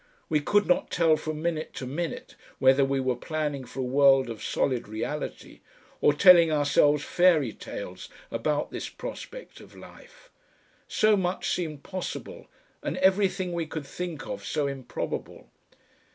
We could not tell from minute to minute whether we were planning for a world of solid reality, or telling ourselves fairy tales about this prospect of life. So much seemed possible, and everything we could think of so improbable.